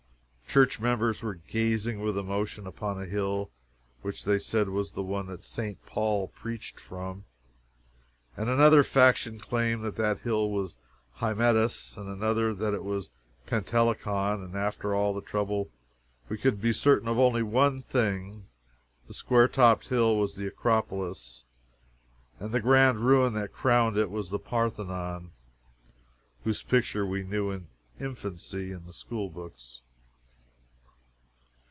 Church members were gazing with emotion upon a hill which they said was the one St. Paul preached from, and another faction claimed that that hill was Hymettus, and another that it was Pentelicon! After all the trouble, we could be certain of only one thing the square topped hill was the Acropolis, and the grand ruin that crowned it was the Parthenon, whose picture we knew in infancy in the school books.